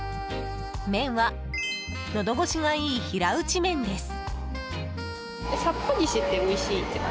麺はのどごしがいい平打ち麺です。